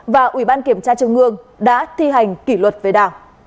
và ubnd đã thi hành kỷ luật về đảng